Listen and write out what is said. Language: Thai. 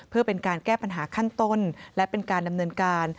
เพื่อเป็นการแก้ปัญหาขั้นต้นและเป็นการดำเนินการ